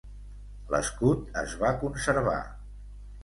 L'escut es va conservar.